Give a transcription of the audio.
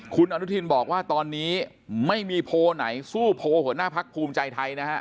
คุณอนุทินบอกว่าตอนนี้ไม่มีโพลไหนสู้โพลหัวหน้าพักภูมิใจไทยนะฮะ